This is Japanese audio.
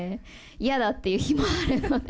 嫌だっていう日もあるので。